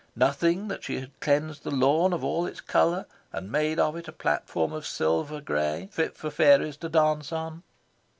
Nothing, that she had cleansed the lawn of all its colour, and made of it a platform of silver grey, fit for fairies to dance on?